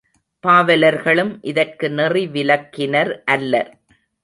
பாவலர்களும் இதற்கு நெறிவிலக்கினர் அல்லர்.